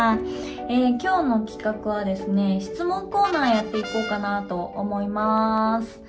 きょうの企画はですね、質問コーナーやっていこうかなと思います。